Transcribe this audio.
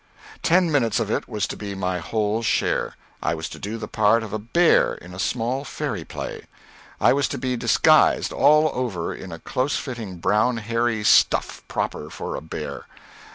Ten minutes of it was to be my whole share. I was to do the part of a bear in a small fairy play. I was to be disguised all over in a close fitting brown hairy stuff proper for a bear.